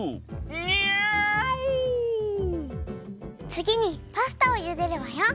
つぎにパスタをゆでるわよ。